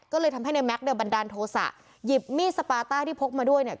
ก็เลยทำให้ในแก๊กเนี่ยบันดาลโทษะหยิบมีดสปาต้าที่พกมาด้วยเนี่ย